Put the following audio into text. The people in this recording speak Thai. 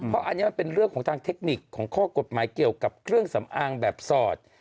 เพราะอันนี้มันเป็นเรื่องของทางเทคนิคของข้อกฎหมายเกี่ยวกับเครื่องสำอางแบบสอด